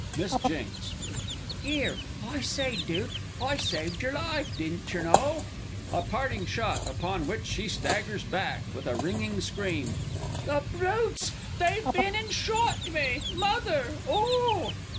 Miss J. 'Ere I say, Dook, I saved yer life, didn't yer know? (A parting shot, upon which she staggers back with a ringing scream.) The Brutes! they've been and shot me!... Mother!... Oh!